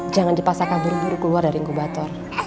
jangan dipaksakan buru buru keluar dari inggo bater